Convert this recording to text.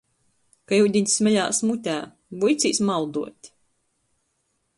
Ka iudiņs smeļās mutē, vuicīs mauduot.